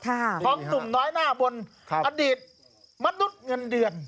ของหนุ่มน้อยหน้าบนอดีตมนุษย์เงินเดือน